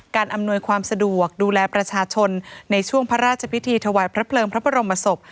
อำนวยความสะดวกดูแลประชาชนในช่วงพระราชพิธีถวายพระเพลิงพระบรมศพ